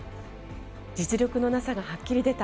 実力のなさがはっきり出た